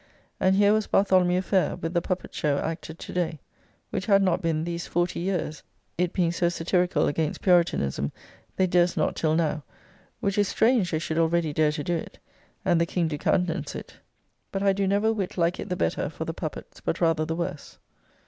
And here was "Bartholomew Fayre," with the puppet show, acted to day, which had not been these forty years (it being so satyricall against Puritanism, they durst not till now, which is strange they should already dare to do it, and the King do countenance it), but I do never a whit like it the better for the puppets, but rather the worse.